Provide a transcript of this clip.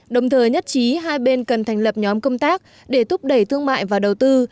đồng thời nhất trí hai bên cần thành lập nhóm công tác để thúc đẩy thương mại và đầu tư